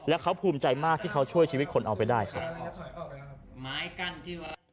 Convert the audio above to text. แล้วเขาภูมิใจมากที่เขาช่วยชีวิตคนเอาไปได้ครับ